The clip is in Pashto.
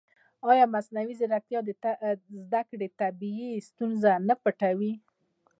ایا مصنوعي ځیرکتیا د زده کړې طبیعي ستونزې نه پټوي؟